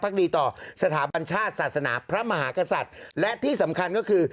ดีต่อสถาบันชาติศาสนาพระมหากษัตริย์และที่สำคัญก็คือ